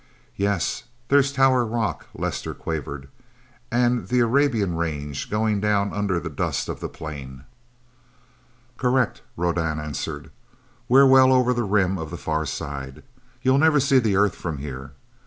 "Yes there's Tower Rock," Lester quavered. "And the Arabian Range going down under the dust of the plain." "Correct," Rodan answered. "We're well over the rim of the Far Side. You'll never see the Earth from here.